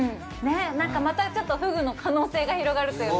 なんか、またちょっとフグの可能性が広がるというか。